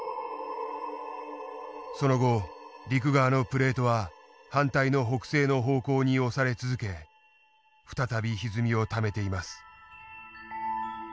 その後陸側のプレートは反対の北西の方向に押され続け再びひずみをためています。